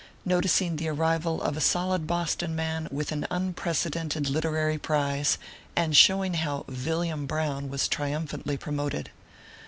NOTICING THE ARKIVAL OF A SOLID BOSTON MAN WITH AN UNPRE CEDENTED LITERARY PRIZE, AND SHOWING HOW VILLIAM BROWN WAS TRIUMPHANTLY PROMOTED.